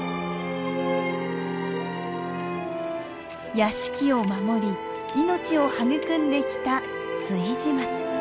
屋敷を守り命を育んできた築地松。